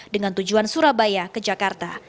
dengan tujuan surabaya ke jakarta